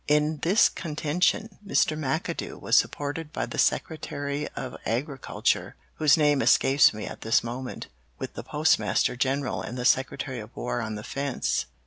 In this contention, Mr. McAdoo was supported by the Secretary of Agriculture, whose name escapes me at this moment, with the Postmaster General and the Secretary of War on the fence.